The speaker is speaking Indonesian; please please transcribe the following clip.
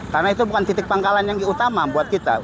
karena itu bukan titik pangkalan yang utama buat kita